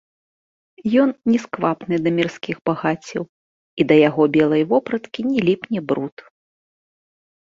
Ён не сквапны да мірскіх багаццяў і да яго белай вопраткі не ліпне бруд.